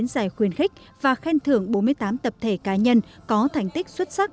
chín giải khuyên khích và khen thưởng bốn mươi tám tập thể cá nhân có thành tích xuất sắc